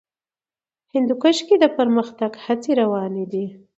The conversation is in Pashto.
هندوکش کې د پرمختګ هڅې روانې دي.